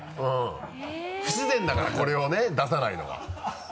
不自然だからこれをね出さないのは。